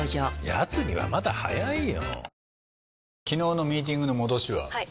やつにはまだ早いよ。